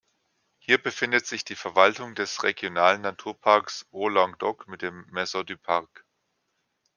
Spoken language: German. Hier befindet sich die Verwaltung des Regionalen Naturparks Haut-Languedoc mit dem "Maison du Parc".